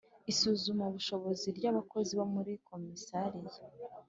isuzumabushobozi ry abakozi bo muri Komisariya